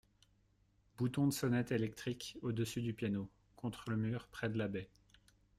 Bouton de sonnette électrique au-dessus du piano, contre le mur, près de la baie.